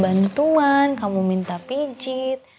bantuan kamu minta pijit